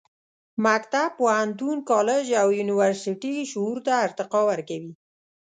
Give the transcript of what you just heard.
مکتب، پوهنتون، کالج او یونیورسټي شعور ته ارتقا ورکوي.